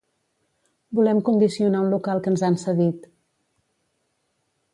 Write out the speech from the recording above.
Volem condicionar un local que ens han cedit.